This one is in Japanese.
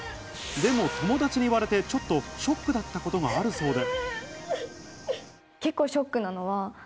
でも友達に言われて、ちょっとショックだったことがあるそうで。